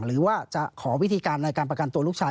หรือว่าจะขอวิธีการในการประกันตัวลูกชาย